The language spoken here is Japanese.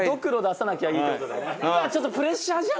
ちょっとプレッシャーじゃん！